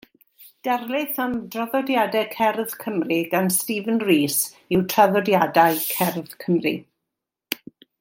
Darlith am draddodiadau cerdd Cymru gan Stephen Rees yw Traddodiadau Cerdd Cymru.